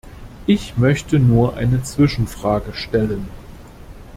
Ich möchte nur eine Zwischenfrage stellen.